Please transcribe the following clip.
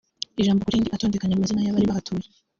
ijambo ku rindi atondekanya amazina y’abari bahatuye